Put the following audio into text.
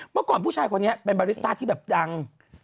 เมื่อก่อนผู้ชายคนนี้เป็นบาริสต้าที่แบบดัง